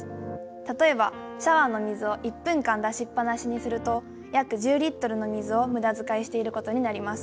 例えばシャワーの水を１分間出しっぱなしにすると約１０リットルの水を無駄遣いしていることになります。